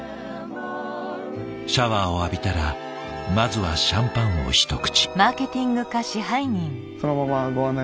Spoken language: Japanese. シャワーを浴びたらまずはシャンパンを一口。